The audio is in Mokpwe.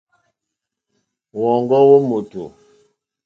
Wɔ̌ŋɡɔ́ wó mòtò.